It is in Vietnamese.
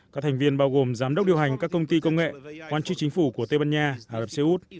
các thành viên bao gồm giám đốc điều hành các công ty công nghệ quan chức chính phủ của tây ban nha ả rập xê út